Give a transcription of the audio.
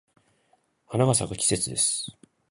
花が咲く季節です。